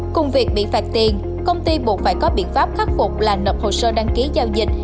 cùng việc bị phạt tiền công ty buộc phải có biện pháp khắc phục là nộp hồ sơ đăng ký giao dịch